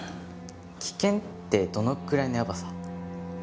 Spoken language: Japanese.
危険ってどのくらいのやばさ？